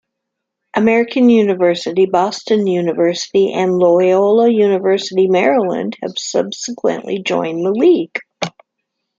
American University, Boston University, and Loyola University-Maryland have subsequently joined the league.